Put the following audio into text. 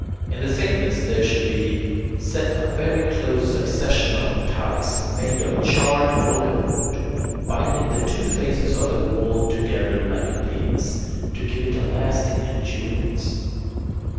In the thickness there should be set a very close succession of ties made of charred olive wood, binding the two faces of the wall together like pins, to give it lasting endurance.